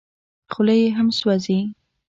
خوله یې هم سوځي .